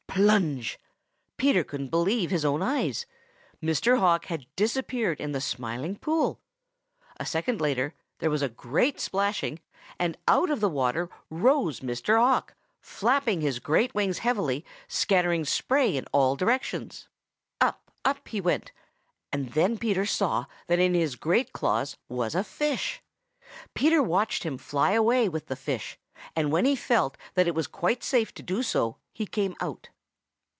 Plunge! Peter couldn't believe his own eyes. Mr. Hawk actually had disappeared in the Smiling Pool! A second later there was a great splashing, and out of the water rose Mr. Hawk, flapping his great wings heavily, scattering spray in all directions. Up, up he went, and then Peter saw that in his great claws was a fish. Peter watched him fly away with the fish, and when he felt that it was quite safe to do so, he came out.